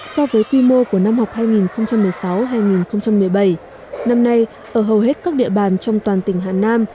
so với quy mô của năm học hai nghìn một mươi sáu hai nghìn một mươi bảy năm nay ở hầu hết các địa bàn trong toàn tỉnh hà nam